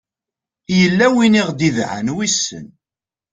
yella win i aɣ-d-idɛan wissen